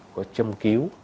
có châm cứu